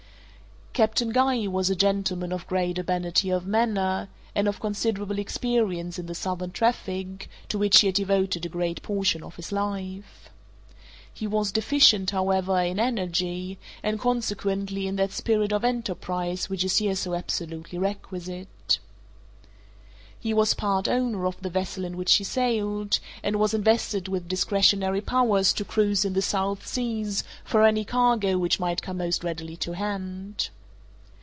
Captain Guy was a gentleman of great urbanity of manner, and of considerable experience in the southern traffic, to which he had devoted a great portion of his life. He was deficient, however, in energy, and, consequently, in that spirit of enterprise which is here so absolutely requisite. He was part owner of the vessel in which he sailed, and was invested with discretionary powers to cruise in the South Seas for any cargo which might come most readily to hand.